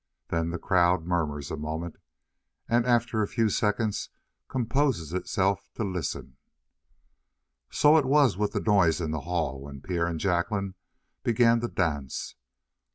Then the crowd murmurs a moment, and after a few seconds composes itself to listen. So it was with the noise in the hall when Pierre and Jacqueline began to dance.